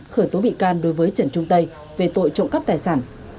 khởi tố bị can đối với trần trung tây về tội trộm cắp tài sản